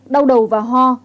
đau đầu và ho